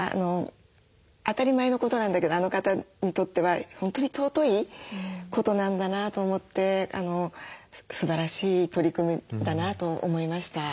当たり前のことなんだけどあの方にとっては本当に尊いことなんだなと思ってすばらしい取り組みだなと思いました。